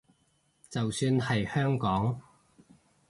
就算係香港